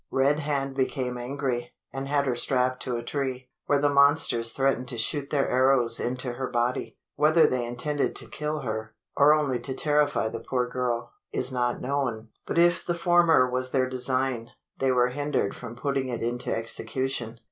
Red Hand became angry, and had her strapped to a tree where the monsters threatened to shoot their arrows into her body. Whether they intended to kill her, or only to terrify the poor girl, is not known; but if the former was their design, they were hindered from putting it into execution.